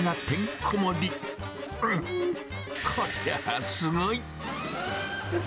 こりゃすごい。